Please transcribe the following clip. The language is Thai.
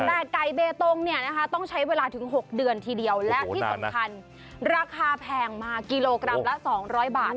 แต่ไก่เบตงเนี่ยนะคะต้องใช้เวลาถึง๖เดือนทีเดียวและที่สำคัญราคาแพงมากิโลกรัมละ๒๐๐บาท